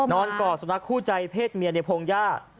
นอนกอดสนับคู่ใจเพศเมียเดพงย่า